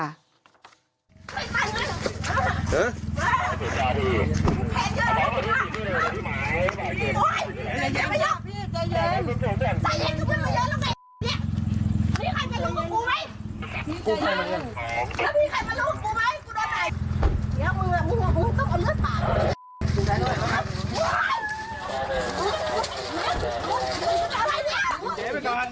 มีใครมาลูกกับกูไหมตัวไหน